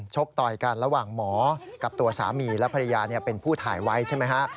กต่อยกันระหว่างหมอกับตัวสามีและภรรยาเป็นผู้ถ่ายไว้ใช่ไหมฮะ